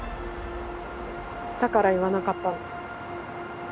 だから言わなかったの。